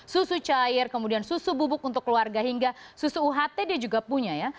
susu cair kemudian susu bubuk untuk keluarga hingga susu uht dia juga punya ya